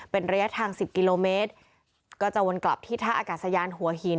เป็นระยะทางสิบกิโลเมตรก็จะวนกลับที่ท่าอากาศยานหัวหิน